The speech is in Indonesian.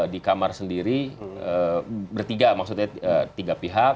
di kamar sendiri bertiga maksudnya tiga pihak